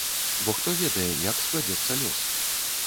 Бо хто ведае, як складзецца лёс?